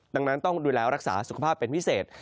ดังนั้นต้องดูแลรักษาสุขภาพเป็นพิเศษ